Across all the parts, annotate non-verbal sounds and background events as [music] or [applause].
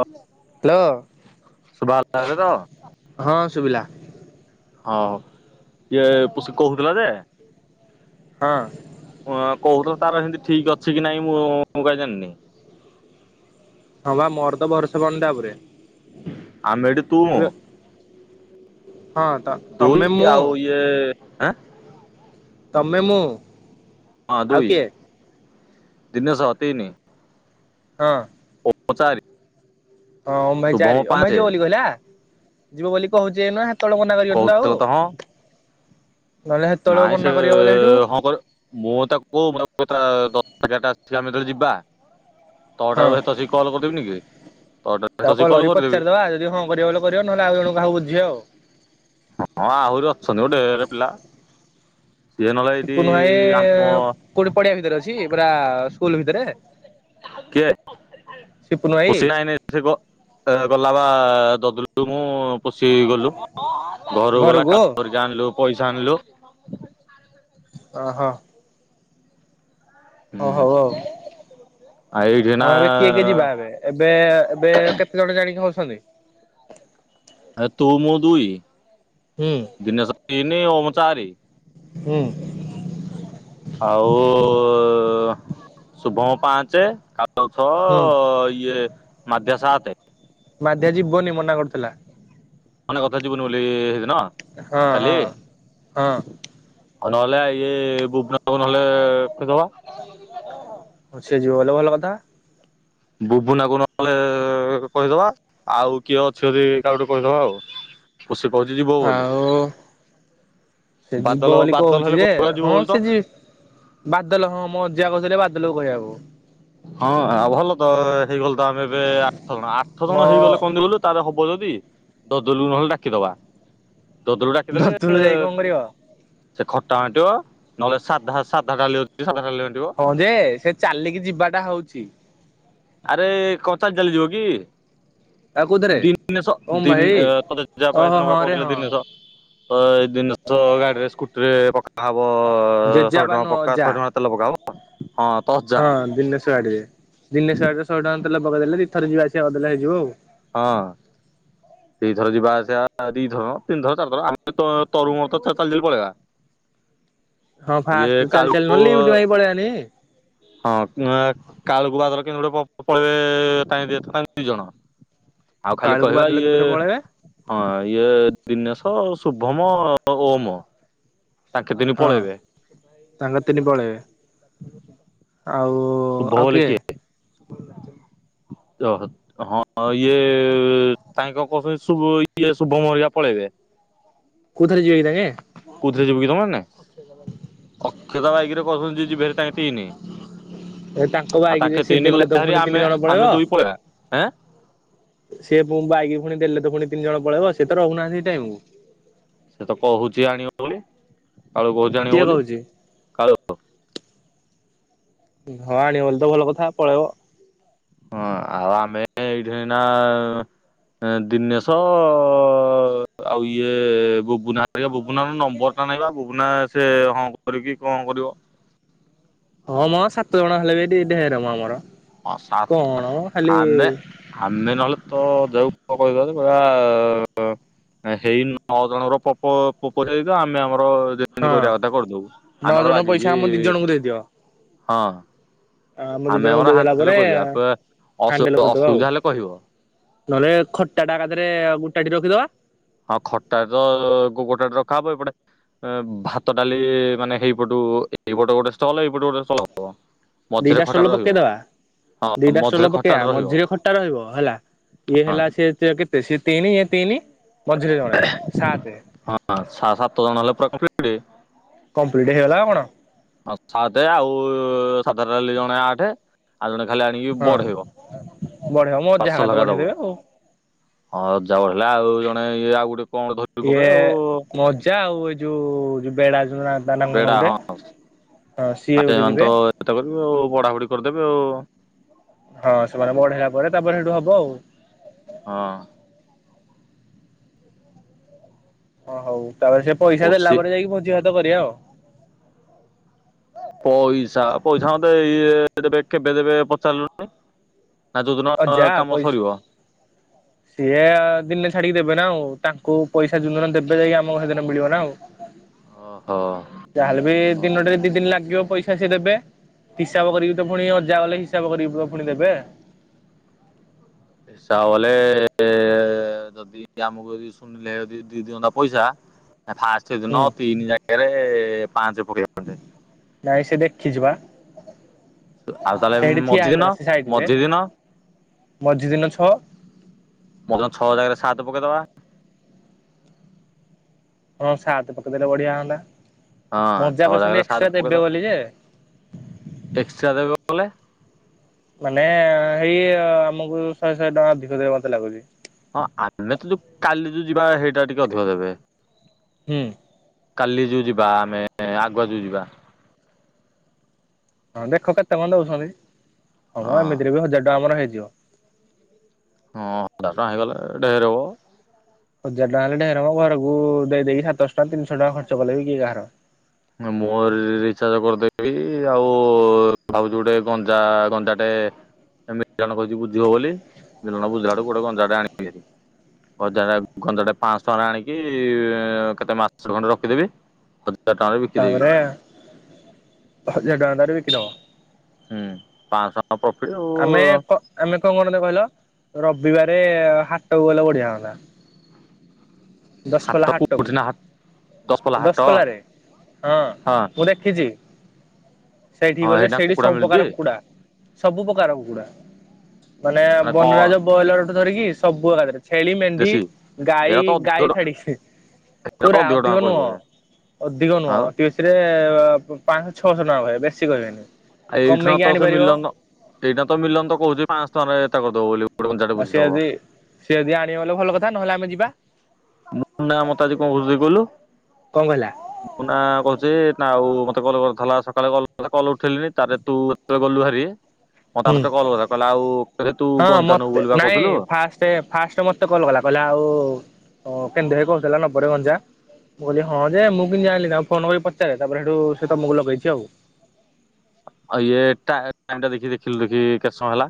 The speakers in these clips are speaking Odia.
ଆ ହ୍ୟାଲୋ ସୁଭ [unintelligible] ତ। ହଁ ଶୁଭିଲା ହୋଉ ଇଏ ପୁଶି କୋହୁଥିଲା ଯେ ହଁ? ଓ କୋହୁଥୁଲା ତାର ହେମତି ଠିକ ଅଛି କି ନାଇଁ ମୁଁ ମୁଁ କାଇଁ ଜାଣିନି? ହଁ ପା ମୋର ତ ଭରସା ପାଉନି ତା ଉପରେ। ଆମେ ଏଠି ତୁ ମୁଁ ହଁ ତ ତମେ ଦୁଇ ମୁଁ ଆଉ ଇଏଁ ଆଁ ତମେ ମୁଁ ହଁ ଆଉ ଦୁଇ କିଏ ଦିନେସ ତିନି ହଁ। ପ ଚାରି। ହଁ ଓମ୍ ଭାଇ ଶୁଭମ ଚାରି ଓମ୍ ଭାଇ ପାଞ୍ଚେ ଯିବ ବୋଲି କହିଲା ଯିବ ବୋଲି କୋହୁଚି ଏଇନା ତଳେ ମନା କରିବନି ତ ଆଉ? କହୁଥିଲା ହଁ ନହେଲେ ହେତେବେଳେ ନାଇଁ ସେ ମନା କରିବ ବୋଲେ ହେଠୁ ହଁ ପରା ମୁଁ ତାକୁ [unintelligible] ଦଶଟା ଏଗାରଟା ସେ ଆମେ ତବେ ଯିବା ତଟାରୁ ତସି କଲ୍ କରିଦେବିନି କି? ତଅଟାରୁ ସେତ ଆଉ ଆସିକି କଲ କଲ୍ କରିକି କରିଦେବି ପଚାରିଦବା ଯଦି ହଁ କରିବ ବୋଲି କରିବ ନହେଲେ ଆଉ ଜଣଙ୍କୁ କାହାକୁ ବୁଝିବା ଆଉ? ହଁ ଆହୁରି ଅଛନ୍ତି ଢେରେ ପିଲା ସିଏ ନହେଲେ ଏଇଠି ସିପୁନୁ ଭାଇ ଆମ କୋଉଠି ପଡିଆ ଭିତରେ ଅଛି ପୁରା ସ୍କୁଲ ଭିତରେ କିଏ ସିପୁନୁ [inaudible] ଭାଇ ପୁସି ନାଇଁନରେ ଥିବ ଆ ଗ୍ ଲା ବା [unintelligible] ମୁଁ ପୋଷି ଗଲୁ [inaudible] ଘରକୁ ଗଲା [unintelligible] କରିକି ଆଣିଲୁ ପଇସା ଆଣିଲୁ। ଓହୋ। ହୁଁ। ଏଇଠି ଏଇନା ଆଉ ଏବେ କିଏ କି ଯିବା ଏବେ ଏବେ ଏବେ କେତେ ଜଣ ଜାଣିକି ହିଁଉଛନ୍ତି? [unintelligible] ଆ ତୁ ମୁଁ ଦୁଇ ହୁଁ ଦିନେଶ ତିନି ଓମ ଚାରି। ହୁଁ। [inaudible] ଆଉ ଶୁଭମ ପାଞ୍ଚେ ଆ ଚ ଛଅ ହୁଁ ଇଏ ମାଧ୍ୟା ସାତେ ମାଧ୍ୟା ଯିବନି ମନା କରୁଥିଲା। ତତେ କୋହୁଥିଲା ଯିବୁନୁ ବୋଲି ହେଇଦିନ ହଁ ହଁ କାଲି? ହଁ ଆଉ ନହେଲେ ଏଇ ଭୁବନବ ନହେଲେ କହିଦବା [inaudible] ହଁ ସେ ଯିବ ବୋଲେ ଭଲ କଥା। ବୁବୁନାକୁ ନହେଲେ କହିଦବା ଆଉ କିଏ ଅଛି ଯଦି କାହାକୁ ଟିକେ କହିଦବା ଆଉ ପୁସି କୋହୁଚି ଯିବ ବୋଲି। ଆଉ ସେ ବାଦଲ ଯିବ ବୋଲି ବାଦଲ କୋହୁଚି ହେଲେ ଯେ କହୁଥିଲା ଯିବ ହଁ ବୋଲି ତ ସେ ଯି ବାଦଲ ହଁ ମୋ ଅଜା କୋହୁଥିଲେ ବାଦଲକୁ କହିବାକୁ। ହଁ ଆ ଭଲ ତ ହେଇଗଲ ତ ଆମେ ଏବେ ଆଠ ଜଣ ଆଠ ଜଣ ମୋ ହେଇଗଲେ କଣଗଲେ ତାର ହ ବ ଯଦି ଦଦଲୁକୁ ନହେଲେ ଡାକିଦବା। ଦଦୁଲୁକୁ ଡାକିଦେଲେ ଧତୁଲୁ ଯାଇ କଣ କରିବ? ସେ ଖ ଟା ବାଣ୍ଟିବ ନହେଲେ ସାଧା ସାଧା ଡ଼ାଲି ଅଛି ଯ ହଁ ଯେ ସେ ଚାଲିକି ଯିବାଟା ହୋଉଚି। ଆରେ କଣ ଚାଲି ଚାଲି ଯିବ କି? ଆଉ କୋଉଥିରେ ଦିନେଶ ଓମ୍ ଦିନ ଭାଇ ତୋ ଜେଜେବାପା ଓହୋ ହେଇଦିନ ପା ହଁ ରେ କୋହୁଥିଲେ ହଁ ଦିନେଶ ଅ ଏଇ ଦିନେସ ଗାଡିରେ ସ୍କୁଟିରେ ପକା ହବ ଶହେ ଜେଜେବାପା ଟଙ୍କା ନୁହଁ ପକ୍କା ଅଜା। ଶହେ ଟଙ୍କାର ତେଲ ପକା ହବ। ହଁ ଦଶ ହଜାର ହଁ ଦିନେଶ ଗାଡିରେ ଦିନେଶ ଗାଡିରେ ଶହେ ଟଙ୍କାେ ପକେଇ ଦେଲେ ଦିଇ ଥର ଯିବା ଆସିବା କରିଦେଲେ ହେଇଯିବ ଆଉ। ହଁ ଦିଇଥର ଯିବା ଆସିବା ହେ ଦିଇ ଥର କଅ ତିନି ଥର ଚାରି ଥର ଆମେ ତ ତୋର ମୋର ତ ଚା ଚାଲି ଚାଲି ପଳେଇବା। ହଁ ଇଏ ଫାଷ୍ଟ ଚାଲି ଚାଲି କାଲୁକୁ ନହେଲେ ଲିଫ୍ଟ ମାଗି ପଳେଇବାନି ହଁ ଉଁ ଏଁ କାଳୁକୁ ବାଦଲ କେମିତି ଗୋଟେ ପ ପଳେଇବେ ପାଇଁ ଦିଇ ଜଣ। ଆଉ ଖାଲି କାଳୁକୁ କହିବା ବାଦଲ ଇଏ କେନ୍ଦୁର ପଳେଇବେ। ହଁ ଇଏ ଦିନେଶ ଶୁଭମ ଓ ଓମ ତାଙ୍କେ ତିନି ହଁ ପଳେଇବେ ତାଙ୍କ ତିନି ପଳେଇବେ ଆଉ ସୁୁଭ ବୋଲି କିଏ? [inaudible] ଓ ହଁ ଇଏ ତାଙ୍କ [unintelligible] ଇଏ ଶୁଭମ ହେରିକା ପଳେଇବେ। କୁଉଥିରେ କି ଯିବେ ତାଙ୍କେ? କୁଥିରେ ଯିବ କି ତମେ ମାନେ ଅଖି ଦଦା ବାଇକ୍ ରେ କହୁଛନ୍ତି ଯିବେ ହେରି ତାଙ୍କେ ତିନ୍ ଏ ତାଙ୍କ ବାଇକ୍ ରେ ସିଏ ଦେଲେ ତ ପୁଣି ଆମେ ତିନି ଜଣ ଆମେ ପଳେଇବ। ଦୁଇ ପଳେଇବା। ଏଁ ସେ ବୁ ବାଇକ ପୁଣି ଦେଲେ ତ ପୁଣି ତିନି ଜଣ ପଳେଇବ ସିଏ ତ ରହୁନାହାନ୍ତି ସେଇ ଟାଇମକୁ। ସେ ତ କହୁଛି ଆଣିବ ବୋଲି କାଳୁ କହୁଛି ଆଣିବ କିଏ ବୋଲି କହୁଛି କାଳୁ ଧଳା ଆଣିବ ବୋଲି ତ ଭଲ କଥା ପଳେଇବ। ହଁ ଆଉ ଆମେ ଏଇଠି କି ନା ହେଁ ଦିନେଶ ଆଉ ଇଏ ବୁବୁନା ହେକା ବୁବୁ ବୁବୁନାର ନମ୍ବର ଟା ନାଇଁ ବା ବୁବୁନା ସେ ହଁ କରିକି କଣ କରିବ? ହଁ ମ ସାତ ଜଣ ହେଲେ ବି ଡି ଡେରେ ମ ଆମର ହଁ ସାତ କଣ ଖାଲି ଆମେ ଆମେ ନହେଲେ ତ ଯଉ ପୋ କହିବା ଯେ କହିବା ହେଇ ନଅ ଜଣର ପ ପୋପ ପୋକ ସହିତ ଆମେ ଆମ ଆମର ଯେମିତି ହଁ କରିବା କଥା କରିଦବୁ ନଅ ଆମର ଜଣ ପଇସା ବାଗିକି ଆମ ଦି ଜଣଙ୍କୁ ଦେଇଦିଅ। ହଁ। ଆମ ଦି ଆମେ ଜଣଙ୍କୁ ଆମର ଦେଇଦେଲା ହାଣ୍ଡେଲ ପରେ କରିବା ହାଣ୍ଡେଲ କରିଦବା ଆଉ। ଅସୁବିଧା ହେଲେ କହିବ? ନହେଲେ ଖଟା ଟା ଏକାଥରେ ଗୋଟାଥି ରଖିଦବା। ହଁ ଖଟା ତ ଗୋଟା ଥି ରଖା ହବ ଏଇପଟେ ଏ ଭାତ ଡାଲି ମାନେ ହେଇପଟୁ ଏଇପଟେ ଗୋଟେ ଷ୍ଟଲ୍ ଏଇପଟେ ଗୋଟେ ଷ୍ଟଲ୍ ହବ। ମଝିରେ ଦିଇଟା ଷ୍ଟଲ୍ ଖଟାଟେ ରହିବ ପକେଇ ଦବା। ହଁ ଦିଟା ମଝିରେ ଷ୍ଟଲ୍ ପକେଇବା ଖଟାଟେ ରହିବ। ମଝିରେ ଖଟା ରହିବ ହେଲା ଇଏ ହଁ ହେଲା ସିଏ କେତେ ସେ ତିନି ଏ ତିନି ମଝିରେ ଜଣେ ସାତେ। ସା ସାତ ଜଣ ହେଲା ପୁରା କଂପ୍ଲିଟ୍। କମ୍ପ୍ଲିଟ ହେଇଗଲା ଆଉ କଣ? ଆଉ ସାତେ ଆଉ ସାଧା ରହିଲେ ଜଣେ ଆଠେ। ଆଉ ଜଣେ ଖାଲି ଆଣିକି ହଁ ବଡ ହେବ ବଢେଇବ ମଜା ପାର୍ଶ ହେକା ତ ଲଗା ଦବ ବଢେଇଦେବେ ଆଉ। ହଁ ଯାଉ ହେଲା ଆଉ ଜଣେ ଇଏ ଆଉ ଗୋଟେ କଣ ଧରି ଇଏ ପକେଇବେ ଆଉ ମଜା ଆଉ ଏଇ ଯୋଉ ଯୋଉ ବେଳା ବେଡା ହଁ ହଁ ସିଏ ତ ଗୋଟେ ଯିବେ। ଏତେ କରିବେ ଆଉ ବଢାପଢି କରିଦେବେ ଆଉ। ହଁ ସେମାନେ ବଢେଇଲା ପରେ ତାପରେ ହବ ଆଉ। ହଁ। ଓ ହଉ ତାପରେ ସେ ପଇସା ଦେଲା ପଶି ପରେ ଯାଇକି ଭୋଜି ଭାତ କରିବା ଆଉ। କେବେ ଦେବେ କେବେ ଦେବେ ପଚାରିଲୁନି ନା ଯୋଉଦିନ ଅଜା ଅ କାମ ପଇସା ସରିବ। ସିଏ ଦିନେ ଛାଡିକି ଦେବେ ନା ଆଉ ତାଙ୍କୁ ପଇସା ଯୋଉ ଦିନ ଦେବେ ଯାଇକି ଆମକୁ ସେଦିନ ମିଳିବ ନା ଆଉ। ଓହୋ ଯାହେଲେ ବି ଦିନଟେ ଦି ଦିନ ଲାଗିବ ପଇସା ସିଏ ଦେବେ। ହିସାବ କରିବି ତ ପୁଣି ଅଜା ଗଲେ ହିସାବ କରି ପୁଣି ଦେବେ। ହିସାବ ବଲେ ଏ ଯଦି ଆମକୁ ଯଦି ସୁନିଲ ଭାଇ ଯଦି ଦି ଅନ୍ତା ଟା ପଇସା ଫାଷ୍ଟ ଦିନ ହୁଁ। ତିନି ଜାଗାରେ ପାଞ୍ଚ ପକେଇନ୍ତେ ନାଇଁ ସେ ଦେଖିଛି ବା। ଆଉ ତାହେଲେ ସେଇଠି ମଝି ଠିଆ ଦିନ ହେଇଥିଲା ସେ ସାଇଡରେ। ମଝି ଦିନ ମଝି ଦିନ ଛଅ ବ ଛଅ ଜାଗାରେ ସାତେ ପକେଇଦବା। ହ ସାତ ପକେଇଦେଲେ ବଢିଆ ହନ୍ତା ହଁ ମଜା ଛଅ ପ ଜାଗାରେ ସାତ ଏକ୍ସଟ୍ରା ଦେବେ ପକେଇଦବା ବୋଲି ଯେ ଏକ୍ସଟ୍ରା ଦେବେ ବଲେ ମାନେ ହେଇ ଆମକୁ ଶହେ ଶହେ ଟଙ୍କା ଅଧିକ ଦେବେ ମତେ ଲାଗୁଛି। ହଁ ଆମେ ତ ଯୋଉ କାଲି ଯିବା ହେଇଟା ଟିକେ ଅଧିକ ଦେବେ। ହୁଁ। କାଲି ଯୋଉ ଯିବା ଆମେ ଆଗୁଆ ଯୋଉ ଯିବା। ହଁ ଦେଖ କେତେ କଣ ଦଉଛନ୍ତି ହଁ ହଁମ ଏମିତିରେ ବି ହଜାର ଟଙ୍କା ଆମର ହେଇଯିବ। ହଁ ହଜାର ଟଙ୍କା ହେଇଗଲେ ଢ଼େର ହବ। ହଜାର ଟଙ୍କା ହେଲେ ଢ଼େର ମ ଘରକୁ ଦେଇଦେଇକି ସାତଶହ ଟଙ୍କା ତିନିଶହ ଟଙ୍କା ଖର୍ଚ୍ଚ କଲେ ବି କିଏ କାହାର। ମୋ ରିଚାର୍ଜ କରିଦେବି ଆଉ ଭାବୁଚି ଗୋଟେ ଗଞ୍ଜା ଗଞ୍ଜାଟେ ଏ ମିଟନ କହିଛି ବୁଝିବ ବୋଲି ମିଲଣ ବୁଝିଲାଡୁ ଗୋଟେ ଗଞ୍ଜା ଟେ ଆଣିବି। ବଜାରେ ଗଞ୍ଜାଟା ପାଞ୍ଚଶହ ଟଙ୍କାରେ ଆଣିକି କେତେ ମାଛ ଖଣ୍ଡେ ରଖିଦେବି। ହଜା। ତାପରେ ଆ ହଜାରେ ଟଙ୍କା ଟାରେ ବି ହୁଁ ପାଁ ଆମେ ପ ଆମେ କଣ କଣଟା କହିଲ ରବିବାରେ ହାଟକୁ ଗଲେ ବଢିଆ ହନ୍ତା। ହାଟ ଦଶପଲା ହାଟକୁ। କୋଉଠି ନା ଦଶପଲ୍ଲା ହାଟ ଦଶପଲ୍ଲାରେ ହଁ ମୁଁ ଦେଖିଛି। ସେଇଠି ହଁ ଗଲେ ହେଇଠି ନା ସେଇଠି କୁକୁଡ଼ା ସବୁପକାର ମିଳୁଛି କୁକୁଡ଼ା। ସବୁ ପ୍ରକାର କୁକୁଡ଼ା ମାନେ ବନରାଜ ବ୍ରଏଲରଠୁ ଧରିକି ସବୁଆଡ଼େ ଛେଳି ମେଣ୍ଢି ଦେଶୀ ଗାଈ ଏରା ତ ଅଧିକ ଗାଈ ଟଙ୍କା ଛାଡିକି ଏରା ତ ଖୁରା ଅଧିକ ଟଙ୍କା ନୁହଁ କହିଦେବେ ଅଧିକ ନୁହଁ ଆଉ ଅତିବେଶୀରେ ଆ ପାଞ୍ଚଶହ ଛଅଶହ ଟଙ୍କା କହିବେ ବେଶୀ କହିବେନି। ଆଉ ଏଇଠିିନ କମେଇକି ତ ସେ ଆଣିପାରିବ ମିଲନ ଏଇଟା ତ ମିଲନ କହୁଛି ପାଁଶହ ଏତେ କରିଦବ ବୋଲି। ଗୋଟେ କଞ୍ଚାଟେ ଆଉ ସିଏ ବୁଝିଦବ। ଯଦି ସିଏ ଯଦି ଆଣିବ ବଲେ ଭଲ କଥା ନହେଲେ ଆମେ ଯିବା। ମୁନା ମତେ ଆଜି କଣ କହୁଥିଲା କହିଲୁ କଣ କହିଲା ମୁନା କ ଯେ ନା ଆଉ ମତେ କଲ କରିଥିଲା ସକାଳେ କଲ ଉଠେଇି ତରେ ତୁ ଏ ଗଲୁ ଭାରି ମତେ ଆଉ ହୁଁ ଥରେ କଲ୍ କଲା କହିଲା ଆଉ କହିଲା ତୁ ହଁ ଗଞ୍ଜା ନବୁ ମତେ ବୋଲି ବା ନାଇଁ କହୁଥିଲୁ। ଫାଷ୍ଟ ଫାଷ୍ଟ ମତେ କଲ କଲା। କହିଲେ ଆଉ କେମିତି ଭାଇ କହୁଥିଲେ ନବବୋଲି ଗଞ୍ଜା। ମୁଁ କହିଲି ହଁ ଯେ ମୁଁ କିମତି ଜାଣିଲି ତାକୁ ଫୋନ କରି ପଚାରେ ତାପରେ ସେଠୁ ସେ ତମକୁ ଲଗେଇଛି ଆଉ। ଆଉ ଇଏ ଟା ଟାଇମ୍ ଟା ଦେଖି ଦେଖିଲୁ ଦେଖି କେତେ ସମୟ ହେଲା।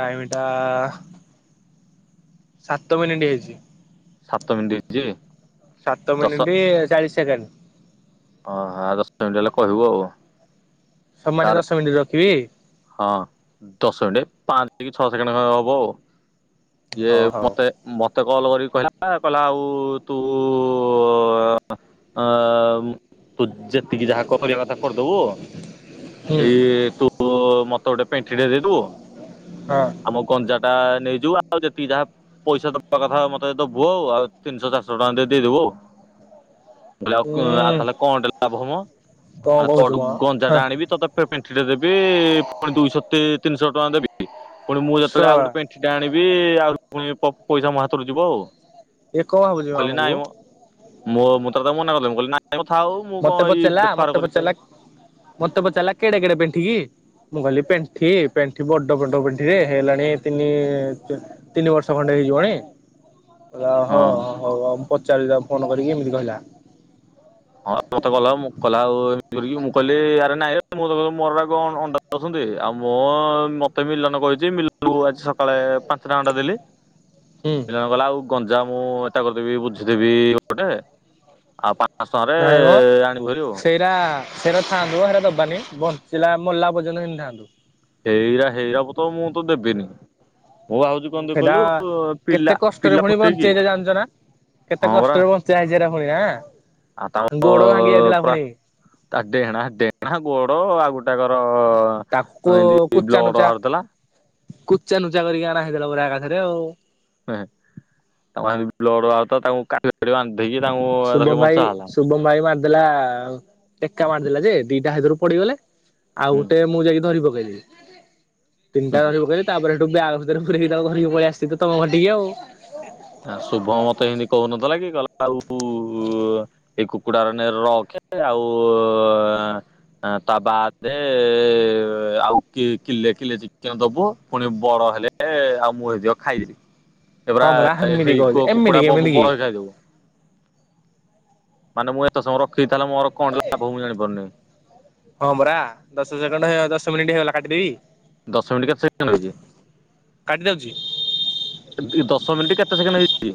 ଟାଇମଟା ସାତ ମିନିଟ ହେଇଚି। ସାତ ମିନିଟି ହେଇଚି। ସାତମିନିଟ ଚାଳିଶ ସେକେଣ୍ଡ। ଓହଉ ଦଶଟ ମିନିଟ୍ ହେଲେ କହିବୁ ଆଉ। ସମାନେ ତାର ଦଶ ମିନିଟ ରଖିବି। ହଁ ଦଶ ମିନିଟେ ପାଞ୍ଚ କି ଛଅ ସେକେଣ୍ଡ ଖଣ୍ଡେ ହବ ଆଉ। ଇଏ ହଉ ହଉ ମତେ ମ ମତେ କଲ୍ କରିକି କହିଲା ଆ ଆ କହିଲା ଆଉ ତୁ ଆ ଆ ଆ ତୁ ଯେତିକି ଯାହା କରିବା କଥା କରିଦବୁ ହୁଁ ଏଇ ତୁ ମତେ ଗୋଟେ ପେଣ୍ଠିଟ ଦେଇଦବୁ ହଁ ଆମ ଗଞ୍ଜା ଟା ନେଇଯିବୁ ଆଉ ଯେତିକି ଯାହା ପଇସା ଦବା କଥା ମତେ ଦବୁ ଆଉ ଆଉ ତିନିଶହ ଚାରିଶହ ଟଙ୍କା ଦେଇ ଦେଇଦବୁ। ଓଃ। ଆଉ ଆଉ ଉଁ ତାହେଲେ କଣ ଲାଭମ କଣ ମାନେ କହୁଛୁ ତୋଠୁ ମ ଗଞ୍ଜା ଟା ଆଣିବି ତୋତେ ପେ ଠି ଟେ ଦେବି ପୁଣି ଦୁଇଶହ ତିନିଶହ ଟଙ୍କା ଦେବି ପୁଣି ମୁଁ ଯେତେବେଳେ ଆଉ ଶଳା ଗୋଟେ ପେଣ୍ଠିଟା ଆଣିବି ବି ଆହୁରି ପୁଣି ପଇସା ମୋ ହାତରୁ ଯିବ ଆଉ। ଏ କଣ ବୁଝିବ ଯିବ କହିଲି ନାଇଁ ଆମକୁ। ମ ମୋ ମୁଁ ତତକୁ ମନାକରି ଦେଲି ମୁଁ କହିଲ ନା ମତେ ପଚାରିଲା ମତେ ପଚାରିଲା। ମତେ ପଚାରିଲା କେଡେ କେଡେ ପେଣ୍ଠିକି? ମୁଁ କହିଲି ପେଣ୍ଠି ପେଣ୍ଠି ବଡ ବଡ଼ ପେଣ୍ଠି ରେ ହେଇଗଲାଣି ତିନି ତିନି ବର୍ଷ। ଖଣ୍ଡେ ହେଇଯିବଣି। କହିଲା ହ ହଁ ହଉଉ ମୁଁ ପଚାରିବି ତା ଫୋନ କରିକି ଏମିତି କହିଲା। ହଁ ମତେ କହଲା ମୁଁ କହଲା ଆଉ ଏମତି କରିକି ମୁଁ କହିଲି ଆରେ ନାଇଁରେ ମୁଁ ତ ମୋର କଣ ଅଣ୍ଡା ଦଉସନ୍ତି। ଆଉ ମୁଁ ମତେ ମିଲନ କହିଛି ମିଲନ ଆଜି ସକାଳେ ପାଞ୍ଚଟା ଅଣ୍ଡା ଦେଲି। ହୁଁ ପିଲା ଗ ଆଉ ଗଞ୍ଜା ମୁଁ ଏଟା କରିଦେବି ବୁଝିଦେବି ଗୋଟେ ଆଉ ପା ନାଇଁ ମ ସେଇଟା ସେଇଟା ଥାଆନ୍ତୁ ସେଇଟା ଦବାନି ବନ୍ଦ ସେଲା ମଲା ପର୍ଯ୍ୟନ୍ତ ହେନ୍ତି ଥାନ୍ତୁ। ହେଇରା ହେଇରାବ ତ ମୁଁ ତ ଦେବିନି। ମୁଁ ଭାବୁଛି କଣ ସେଟା କହିଲୁ ପିଲା କେତେ କଷ୍ଟରେ ପିଲା ପୁଣି ଫୁଟେଇକି ବଞ୍ଚେଇଛେ ଜାଣିଛ ନା। କେତେ ହଁ ପରା କଷ୍ଟରେ ବଞ୍ଚା ହେଇଛି ହେରା ପୁଣି ନା। ଆଉ ତା ପୁରା ତା ଡେଣା ଡେଣା ଗୋଡ ଆଉ ଗୋଟାକର।। ତାକୁ ଏମିତି କୁଚା ବ୍ଲଡ ନୁଚା ବାହାରୁଥିଲା। କୁଚା ନୁଚା କରିକି ନାହିଁଦେଲା ପୁରା ଏକାଥରେ ଆଉ। ତାଙ୍କ ବ୍ଲଡ଼ ତାଙ୍କୁ କା ଶୁଭମ ଭାଇ ଶୁଭମ ଭାଇ ବା ଦେଲା ଟେକା ମାରିଦେଲା ଯେ ଦିଟା ହେଥରୁ ପଡିଗଲେ। ଆଉ ହୁଁ ଗୋଟେ ମୁଁ ଯାଇକି ଧରିି ପକେଇଲି। ତିନିଟା ହୁଁ ଧରି ପକେଇଲେ ତାପରେ ସେଠୁ ବ୍ୟାଗ ଭିତରେ ପୁରେଇଲି ତାକୁ ଧରିକି ପଳେଇ ଆସିଛି ତ ତମ ଘର ଟିକି ଆଉ। ଶୁଭମ ମତେ ଏମିତି କହୁନଥିଲା କି କଇଲା ଆଉ ଏଇ କୁକୁଡାରେ ନେ ରଖେ ଆଉ ତା ବାଦ ଆଉ କିଲେ କିଲେ ଚିକେନ ଦବୁ ପୁଣି ବର ନ ହେଲେ ଆଉ ମୁଁ ହେତିକ ଖାଇଦେବି ଏ ହଁ ପରା। ଏ ହେମିତି ହେଇ କହୁଛି କୁଆ ଏମିତି କୁକୁଡ଼ା କି ବ ବ ଏମିତି କି ବହେ ହେ ଖାଇଦବୁ। ମାନେ ମୁଁ ଏତେ ସମୟ ରଖିବି ତାହେଲେ ମୋର କଣ ଲାଭ ମୁଁ ଜାଣିପାରୁନି। ହଁ ପରା ଦଶ ସେକଣ୍ଡ ଦଶ ମିନିଟ୍ ହେଇଗଲା କାଟିଦେବି? ଦଶ ମିନିଟ କେତେ ସେକେଣ୍ଡ ହେଇଛି? ହ ଦଶ ମିନିଟ କେତେ ସେକେଣ୍ଡ ହେଇଛି?